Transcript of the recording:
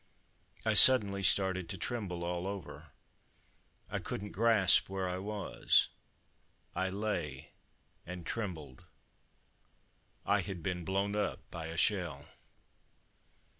I suddenly started to tremble all over. I couldn't grasp where I was. I lay and trembled ... I had been blown up by a shell.